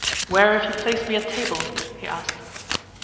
"Where have you placed me at table?" he asked.